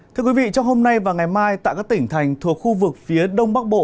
thưa quý vị trong hôm nay và ngày mai tại các tỉnh thành thuộc khu vực phía đông bắc bộ